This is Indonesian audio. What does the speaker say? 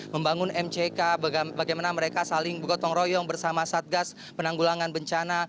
membangun mck bagaimana mereka saling bergotong royong bersama satgas penanggulangan bencana